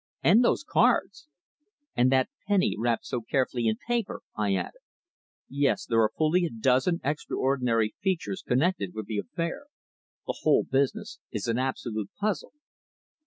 "And those cards!" "And that penny wrapped so carefully in paper!" I added. "Yes, there are fully a dozen extraordinary features connected with the affair. The whole business is an absolute puzzle."